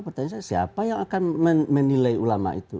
pertanyaan saya siapa yang akan menilai ulama itu